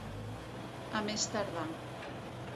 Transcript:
A més tardar.